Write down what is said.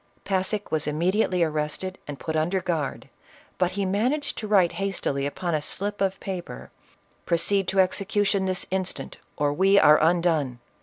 Passick was immediately arrested and put under guard, but he managed to write hastily upon a slip of paper, "Proceed to execution this instant or we are undone